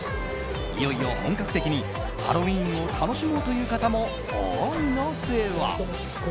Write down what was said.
いよいよ本格的にハロウィーンを楽しもうという方も多いのでは？